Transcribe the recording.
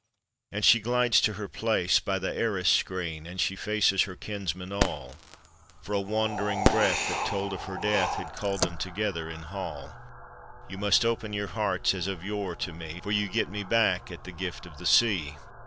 And she glides to her place by the arras screen, And faces her kinsmen all, For a wandering breath that told of her death Had called them together in hall :" You must open your hearts as of yore to me, For you get me back at the gift of the sea